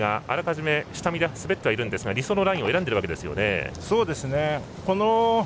あらかじめ下見で滑ってはいるんですが理想のラインを選んでいるんですよね。